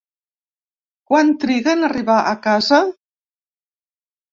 Quant triga en arribar a casa?